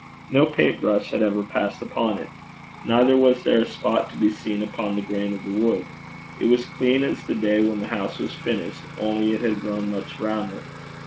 No paint brush had ever passed upon it. Neither was there a spot to be seen upon the grain of the wood: it was clean as the day when the house was finished, only it had grown much browner.